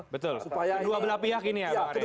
kedua belah pihak ini ya